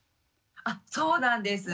あそうなんです。